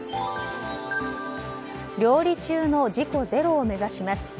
料理中の事故ゼロを目指します。